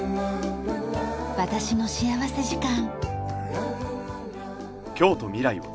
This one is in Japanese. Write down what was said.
『私の幸福時間』。